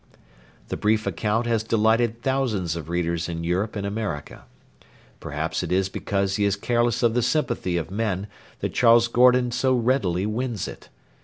The brief account has delighted thousands of readers in Europe and America. Perhaps it is because he is careless of the sympathy of men that Charles Gordon so readily wins it.